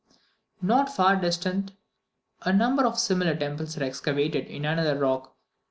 Not far distant, a number of similar temples are excavated in another rock.